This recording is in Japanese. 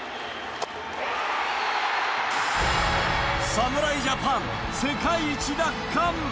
侍ジャパン、世界一奪還！